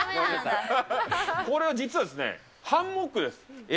これは実はハンモックです。